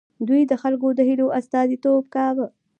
دوی د خلکو د هیلو استازیتوب کاوه.